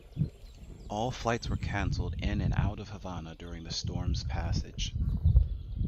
All flights were canceled in and out of Havana during the storm's passage.